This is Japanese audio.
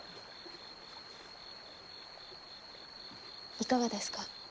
いかがですか？